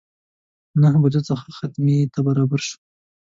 نهه بجو څخه خیمې ته برابر شوو.